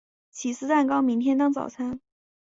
起司蛋糕明天当早餐